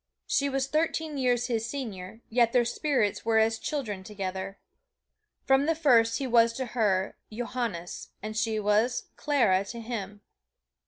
She was thirteen years his senior, yet their spirits were as children together. From the first he was to her, "Johannes," and she was "Clara" to him.